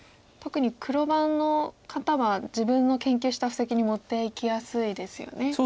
特に黒番の方は自分の研究した布石に持っていきやすいですよね。